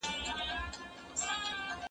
زه پرون د زده کړو تمرين کوم؟!